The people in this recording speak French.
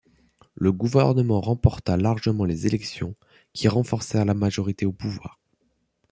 Le gouvernement remporta largement les élections qui renforcèrent la majorité au pouvoir.